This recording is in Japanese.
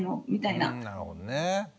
なるほどね。